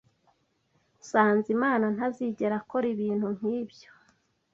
Sanzimana ntazigera akora ibintu nkibyo.